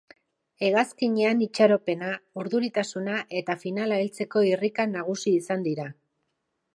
Hegazkinean itxaropena, urduritasuna eta finala heltzeko irrika nagusi izan dira.